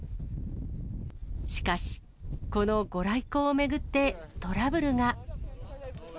しかし、このご来光を巡って、トラブルが。